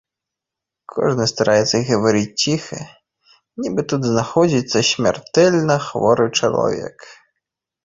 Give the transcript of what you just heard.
Кожны стараецца гаварыць ціха, нібы тут знаходзіцца смяртэльна хворы чалавек.